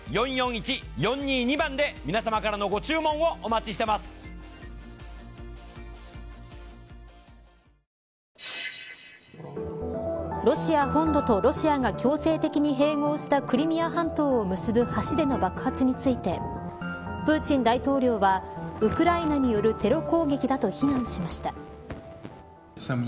また記事では４日に日本上空を通過したミサイルについてロシア本土とロシアが強制的に併合したクリミア半島を結ぶ橋での爆発についてプーチン大統領はウクライナによるテロ攻撃だと非難しました。